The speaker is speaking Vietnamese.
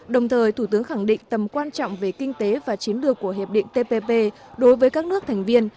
đồng thời thủ tướng khẳng định tầm quan trọng về kinh tế và chiến lược của hiệp định tpp đối với các nước thành viên